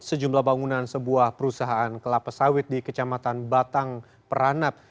sejumlah bangunan sebuah perusahaan kelapa sawit di kecamatan batang peranap